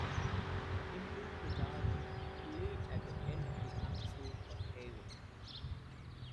"Into the Dark" played at the end of an episode of "Haven".